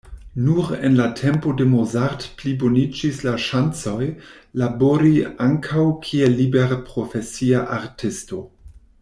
Nur en la tempo de Mozart pliboniĝis la ŝancoj, labori ankaŭ kiel liberprofesia artisto.